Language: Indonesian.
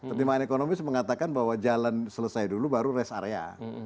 pertimbangan ekonomi mengatakan bahwa jalan selesai dulu baru rest area